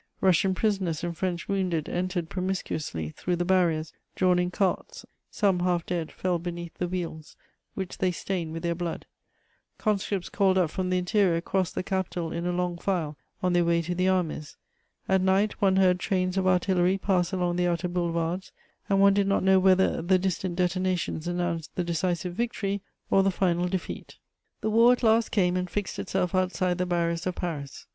Russian prisoners and French wounded entered promiscuously through the barriers, drawn in carts: some, half dead, fell beneath the wheels, which they stained with their blood. Conscripts called up from the interior crossed the capital in a long file on their way to the armies. At night, one heard trains of artillery pass along the outer boulevards, and one did not know whether the distant detonations announced the decisive victory or the final defeat. The war at last came and fixed itself outside the barriers of Paris.